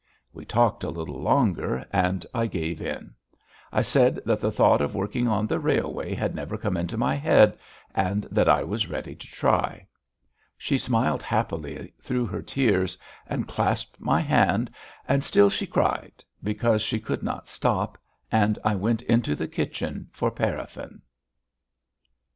We talked a little longer and I gave in. I said that the thought of working on the railway had never come into my head, and that I was ready to try. She smiled happily through her tears and clasped my hand, and still she cried, because she could not stop, and I went into the kitchen for paraffin.